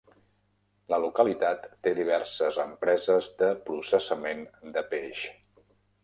La localitat té diverses empreses de processament de peix.